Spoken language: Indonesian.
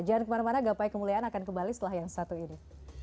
jangan kemana mana gapai kemuliaan akan kembali setelah yang satu ini